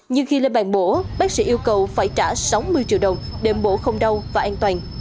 nhưng khi lên bàn mổ bác sĩ yêu cầu phải trả sáu mươi triệu đồng để mổ không đau và an toàn